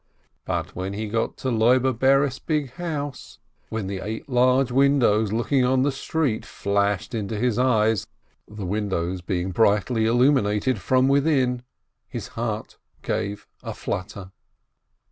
But when he got to Loibe Bares' big house, when the eight large windows looking onto the street flashed into his eyes, the windows being brightly illuminated from within, his heart gave a flutter.